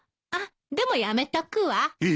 あっでもやめとくわ。